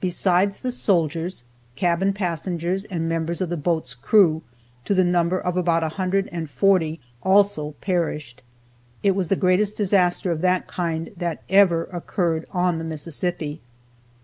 Besides the soldiers, cabin passengers and members of the boat's crew, to the number of about 140, also perished. It was the greatest disaster, of that kind, that ever occurred on the Mississippi.